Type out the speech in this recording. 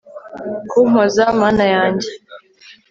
kumpoza. mana yanjye